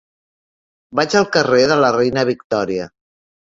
Vaig al carrer de la Reina Victòria.